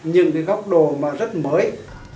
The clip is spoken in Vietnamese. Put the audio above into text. những góc đồ rất mới